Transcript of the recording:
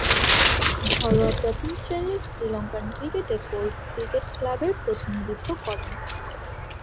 ঘরোয়া প্রথম-শ্রেণীর শ্রীলঙ্কান ক্রিকেটে কোল্টস ক্রিকেট ক্লাবের প্রতিনিধিত্ব করেন।